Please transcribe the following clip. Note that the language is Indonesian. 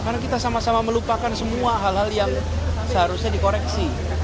karena kita sama sama melupakan semua hal hal yang seharusnya dikoreksi